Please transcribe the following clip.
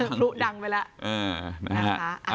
เติมลูกดังไปละ